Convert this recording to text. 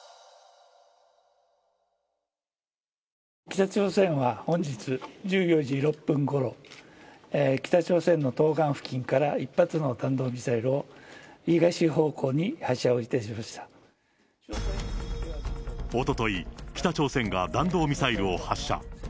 北朝鮮は本日１４時６分ごろ、北朝鮮の東岸付近から１発の弾道ミサイルを、おととい、北朝鮮が弾道ミサイルを発射。